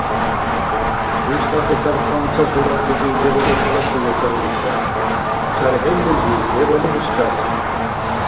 ВиштӀаси талхъан ца суратлизив дебали халаси ветарули сай, цархӀиллизив — дебали виштӀаси.